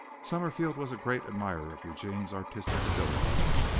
Summerfield was a great admirer of Eugene's artistic ability.